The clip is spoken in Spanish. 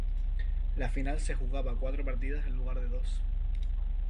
La final se jugaba a cuatro partidas en lugar de a dos.